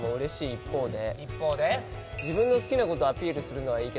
一方で？